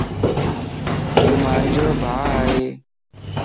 يوما نجو ڀَا ائي